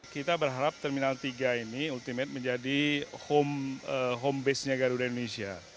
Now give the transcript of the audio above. kita berharap terminal tiga ini ultimate menjadi home base nya garuda indonesia